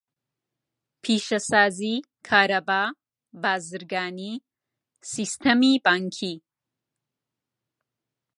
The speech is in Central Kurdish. پیشەسازی، کارەبا، بازرگانی، سیستەمی بانکی.